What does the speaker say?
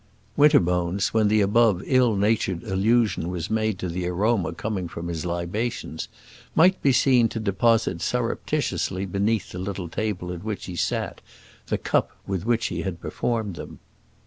Winterbones, when the above ill natured allusion was made to the aroma coming from his libations, might be seen to deposit surreptitiously beneath the little table at which he sat, the cup with which he had performed them.